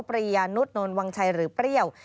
ปริยานุษย์นนวังชัยหรือเปรี้ยว